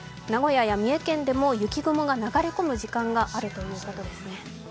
名古屋や三重県でも雪雲が流れ込む時間があるということですね。